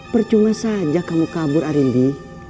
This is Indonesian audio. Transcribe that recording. percuma saja kamu kabur arindi